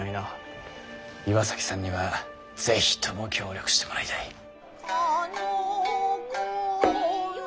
岩崎さんには是非とも協力してもらいたい。